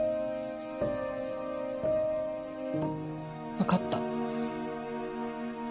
分かった。